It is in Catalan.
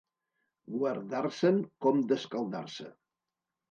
Guardar-se'n com d'escaldar-se.